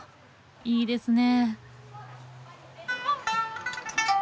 いいですね。